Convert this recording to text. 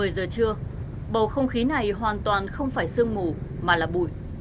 một mươi giờ trưa bầu không khí này hoàn toàn không phải sương mù mà là bụi